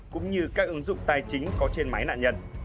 cũng như các ứng dụng tài chính có trên máy nạn nhân